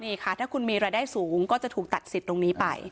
นี่ค่ะถ้าคุณมีรายได้สูงก็จะถูกตัดสิทธิ์ตรงนี้ไป